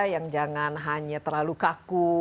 yang jangan hanya terlalu kaku